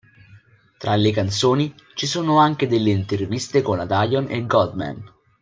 Tra le canzoni, ci sono anche delle interviste con la Dion e Goldman.